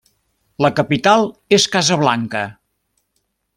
La capital és Casablanca.